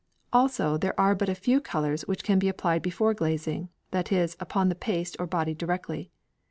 Also there are but a few colours which can be applied before glazing, that is, upon the paste or body directly.